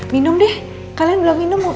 minum deh kalian belum minum